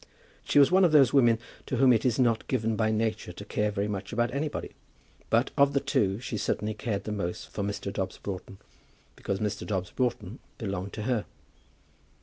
She was one of those women to whom it is not given by nature to care very much for anybody. But, of the two, she certainly cared the most for Mr. Dobbs Broughton, because Mr. Dobbs Broughton belonged to her.